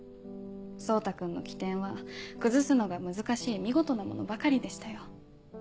蒼汰君の機転は崩すのが難しい見事なものばかりでしたよ。